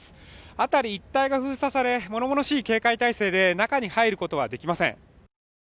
辺り一帯が封鎖され、ものものしい警戒態勢で中に入ることはできません。